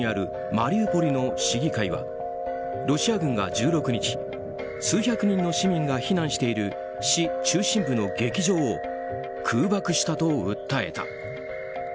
南東部にあるマリウポリの市議会はロシア軍が１６日数百人の市民が避難している市中心部の劇場を空爆したと訴えた。